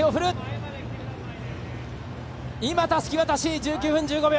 たすき渡し、１９分１５秒！